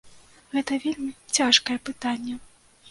Гэта вельмі цяжкае пытанне.